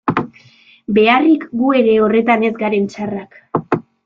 Beharrik, gu ere horretan ez garen txarrak...